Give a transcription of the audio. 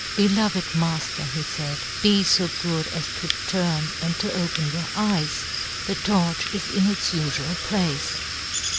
" Beloved Mafter," he faid, " be fo " good as to turn and to open your " eyes, the torch is in its ufual place."